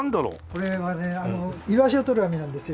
これはねイワシを捕る網なんですよ。